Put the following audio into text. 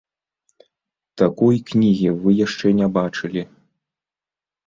Такой кнігі вы яшчэ не бачылі.